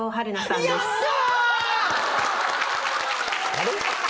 あれ？